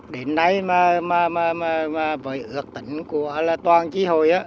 đến nay với ước tính của toàn chí hội